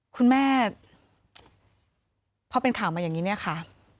คุณแม่พอเป็นข่าวมาอย่างนี้เนี่ยค่ะ